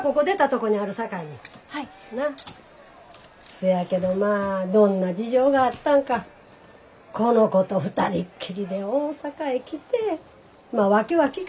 せやけどまあどんな事情があったんかこの子と２人きりで大阪へ来てまあ訳は聞かへん。